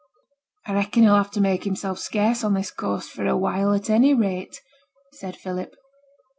'I reckon he'll have to make himself scarce on this coast for awhile, at any rate,' said Philip.